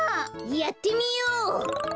やってみよう！